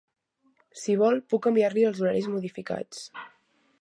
Si vol puc enviar-li els horaris modificats.